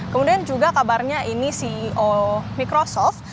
kemudian juga kabarnya ini ceo microsoft